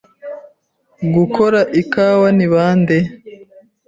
Gukora ikawa ni bande?